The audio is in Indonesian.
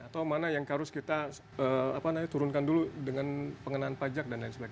atau mana yang harus kita turunkan dulu dengan pengenaan pajak dan lain sebagainya